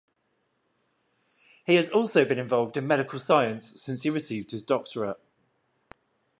He has also been involved in medical science since he received his doctorate.